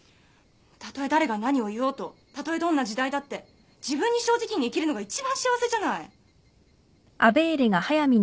たとえ誰が何を言おうとたとえどんな時代だって自分に正直に生きるのが一番幸せじゃない！